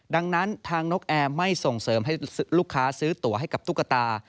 ดังนั้นทางนกแอร์ไม่ส่งเสริมให้ลูกค้าซื้อตัวให้กับตุ๊กตา